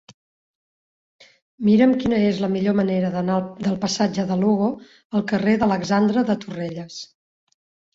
Mira'm quina és la millor manera d'anar del passatge de Lugo al carrer d'Alexandre de Torrelles.